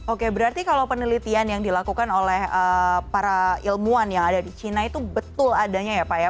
oke berarti kalau penelitian yang dilakukan oleh para ilmuwan yang ada di china itu betul adanya ya pak ya